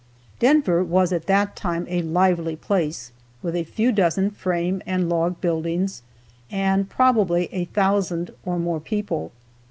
Denver was at that time a lively place, with a few dozen frame and log buildings, and probably a thousand or more people.